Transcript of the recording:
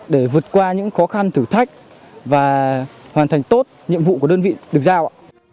để vượt qua những khó khăn thử thách và hoàn thành tốt nhiệm vụ của đơn vị được giao